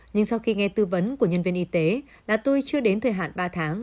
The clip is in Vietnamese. nhưng sau khi nghe tư vấn của nhân viên y tế là tôi chưa đến thời hạn ba tháng